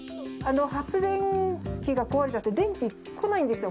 発電機が壊れちゃって、電気、来ないんですよ。